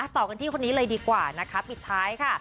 ต่อกันที่คนนี้เลยดีกว่านะคะปิดท้ายค่ะ